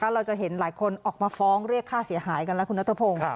เราจะเห็นหลายคนออกมาฟ้องเรียกค่าเสียหายกันแล้วคุณนัทพงศ์